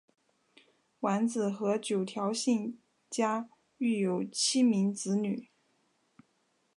完子和九条幸家育有七名子女。